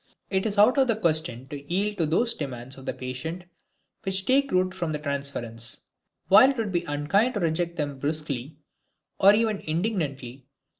It is out of the question to yield to those demands of the patient which take root from the transference, while it would be unkind to reject them brusquely or even indignantly.